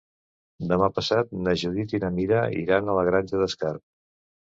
Demà passat na Judit i na Mira iran a la Granja d'Escarp.